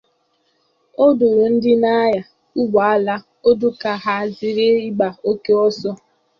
Ọ dụrụ ndị na-anya ụgbọala ọdụ ka ha zeere ịgba oke ọsọ